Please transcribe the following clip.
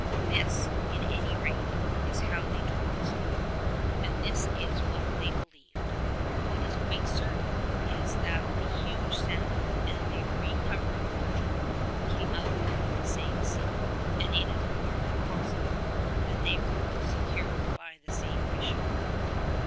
This, at any rate, is how they told the story, and this is what they believed. What is quite certain is that the huge salmon and the recovered Virgil came out of the same sea, and it is more than possible that they were both secured by the same fisherman.